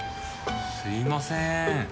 すいません。